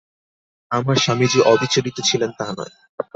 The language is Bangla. আমার স্বামী যে অবিচলিত ছিলেন তা নয়।